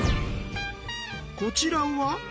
こちらは？